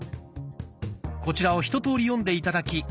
こちらを一とおり読んで頂き